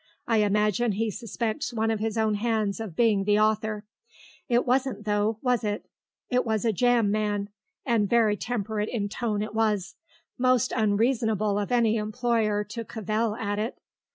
I imagine he suspects one of his own hands of being the author. It wasn't, though, was it; it was a jam man. And very temperate in tone it was; most unreasonable of any employer to cavil at it.